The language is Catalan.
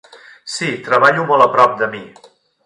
Sí, treballo molt a prop de mi.